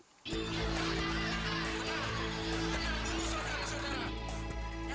dasar pencina weh